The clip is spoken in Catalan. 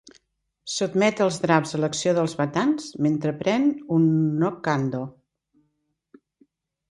Sotmet els draps a l'acció dels batans mentre pren un Knockando.